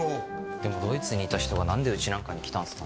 でもドイツにいた人が何でうちなんかに来たんすかね。